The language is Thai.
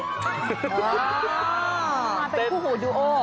มาเป็นคู่หูดูโอ